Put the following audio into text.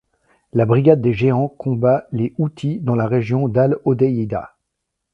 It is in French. La Brigade des géants combat les Houthis dans la région d'al-Hodeïda.